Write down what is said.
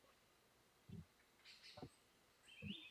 孔布兰欧蓬。